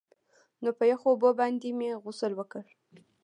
نو په يخو اوبو باندې مې غسل وکړ.